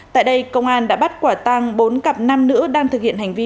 tại đây công an đã bắt quả tăng bốn cặp nam nữ đang thực hiện hành vi